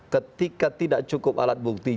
ketika tidak cukup alat buktinya